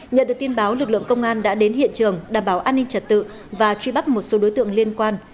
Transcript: nhận được tin báo lực lượng công an đã đến hiện trường đảm bảo an ninh trật tự và truy bắt một số đối tượng liên quan